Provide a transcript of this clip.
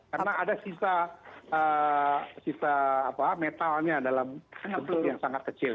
karena ada sisa metalnya dalam bentuk yang sangat kecil